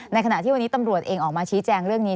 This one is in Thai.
ขณะที่วันนี้ตำรวจเองออกมาชี้แจงเรื่องนี้